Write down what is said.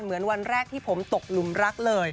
เหมือนวันแรกที่ผมตกหลุมรักเลย